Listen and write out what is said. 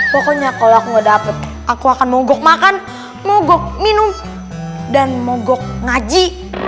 pokoknya kalau aku gak dapet aku akan mogok makan mogok minum dan mogok ngaji